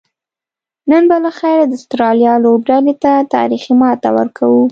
نن به لخیره د آسترالیا لوبډلې ته تاریخي ماته ورکوو